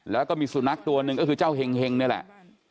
แล้วก็มีสุนัขตัวหนึ่งก็คือเจ้าเห็งนี่แหละ